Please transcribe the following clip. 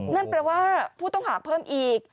นั่นแปลว่าผู้ต้องหาเพิ่มอีก